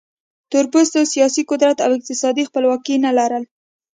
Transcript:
تور پوستو سیاسي قدرت او اقتصادي خپلواکي نه لرل.